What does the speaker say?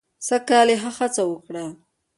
سږ کال یې ښه هڅه وکړه.